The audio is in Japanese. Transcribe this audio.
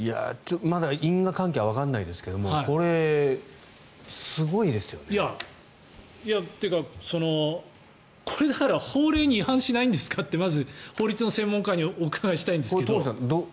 まだ因果関係はわからないですがこれ、すごいですよね。というかこれ、法令に違反しないんですかってまず法律の専門家にお伺いしたいんですけど。